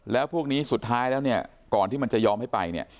แล้วพวกนี้สุดท้ายแล้วเนี่ยก่อนที่มันจะยอมให้ไปเนี่ย